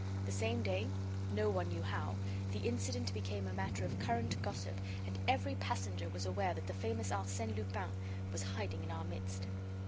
The same day, no one knew how, the incident became a matter of current gossip and every passenger was aware that the famous Arsène Lupin was hiding in our midst.